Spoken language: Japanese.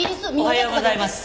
おはようございます。